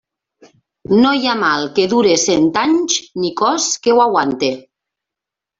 No hi ha mal que dure cent anys, ni cos que ho aguante.